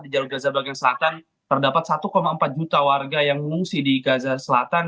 di jalur gaza bagian selatan terdapat satu empat juta warga yang mengungsi di gaza selatan